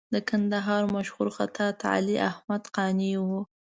د کندهار مشهور خطاط علي احمد قانع و.